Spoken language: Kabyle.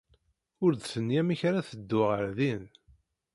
Ur d-tenni amek ara teddu ɣer din.